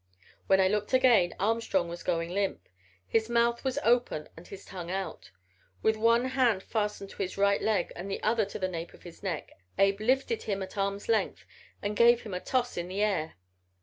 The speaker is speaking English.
When I looked again Armstrong was going limp. His mouth was open and his tongue out. With one hand fastened to his right leg and the other on the nape of his neck Abe lifted him at arm's length and gave him a toss in the air.